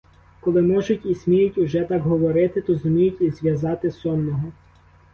Коли можуть і сміють уже так говорити, то зуміють і зв'язати сонного.